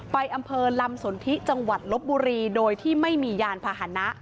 อำเภอลำสนทิจังหวัดลบบุรีโดยที่ไม่มียานพาหนะ